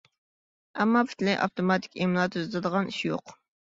ئەمما پۈتۈنلەي ئاپتوماتىك ئىملا تۈزىتىدىغان ئىش يوق.